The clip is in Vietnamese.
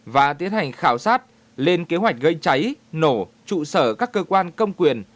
và tiến hành khảo sát lên kế hoạch gây cháy nổ trụ sở các cơ quan công quyền